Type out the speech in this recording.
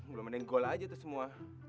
belum ada yang gol aja tuh semua